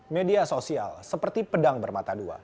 media sosial seperti pedang bermata dua